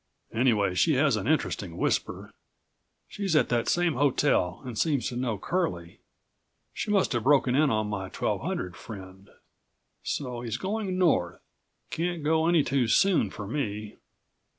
Anyway she has an interesting whisper. She's at that same hotel and seems to know Curlie. She must have broken in on my 1200 friend. So he's going north? Can't go any too soon for me.